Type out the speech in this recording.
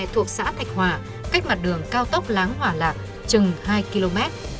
thuộc xã thạch hòa cách mặt đường cao tốc láng hòa lạc chừng hai km